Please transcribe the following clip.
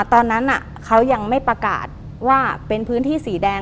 ตอนนั้นเขายังไม่ประกาศว่าเป็นพื้นที่สีแดง